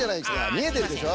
みえてるでしょ。